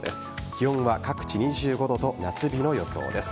気温は各地２５度と夏日の予想です。